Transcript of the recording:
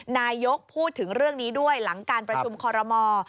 นายกพูดถึงเรื่องนี้ด้วยหลังการประชุมคอรมอล